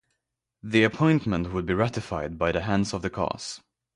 The appointment would be ratified by the Hands of the Cause.